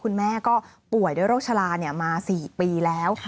คุณแม่ก็ป่วยด้วยโรคชะลามา๔ปีแล้ว